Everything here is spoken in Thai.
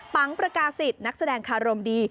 ประกาศิษย์นักแสดงคารมดี